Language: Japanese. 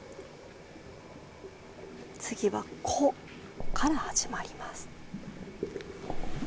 次は「こ」から始まります。